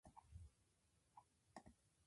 今日はいい夢見れるといいな